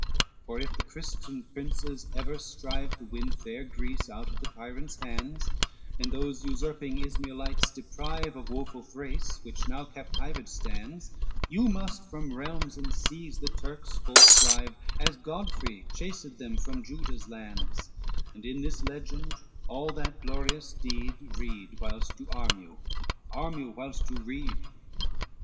V For if the Christian Princes ever strive To win fair Greece out of the tyrants' hands, And those usurping Ismaelites deprive Of woful Thrace, which now captived stands, You must from realms and seas the Turks forth drive, As Godfrey chased them from Juda's lands, And in this legend, all that glorious deed, Read, whilst you arm you; arm you, whilst you read.